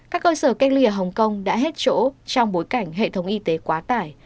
các cơ sở cách ly ở hồng kông đã hết chỗ trong bối cảnh hệ thống y tế quá tải